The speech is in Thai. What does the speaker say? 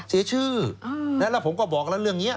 เสียชื่อแล้วผมก็บอกแล้วเรื่องนี้